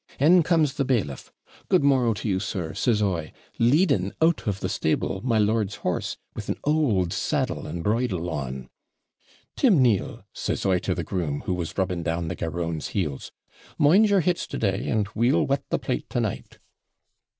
'In comes the bailiff "Good morrow to you, sir," says I, leading out of the stable my lord's horse, with an OULD saddle and bridle on. '"Tim Neal," says I to the groom, who was rubbing down the garrone's heels, "mind your hits to day, and WEE'L wet the plate to night."